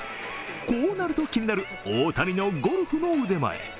こうなると気になる大谷のゴルフの腕前。